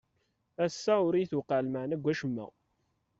Ass-a ur iyi-tewqeɛ lmeɛna deg wacemma.